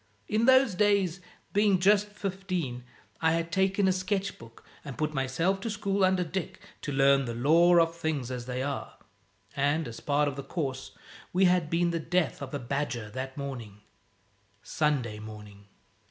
In those days, being just fifteen, I had taken a sketch book and put myself to school under Dick to learn the lore of Things As They Are: and, as part of the course, we had been the death of a badger that morning Sunday morning.